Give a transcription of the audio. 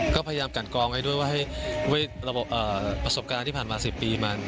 ก็พยายามกันกรองไว้ด้วยให้ระบบประสบการณ์ที่ผ่านมาเจษฐี